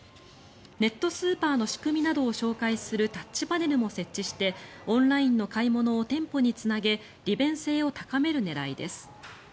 ネットスーパーの仕組みなどを紹介するタッチパネルも設置してオンラインの買い物を店舗につなげ利便性を高める狙いです。